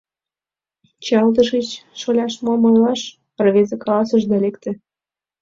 — Чиялтышыч, шоляш, мом ойлаш, — рвезе каласыш да лекте.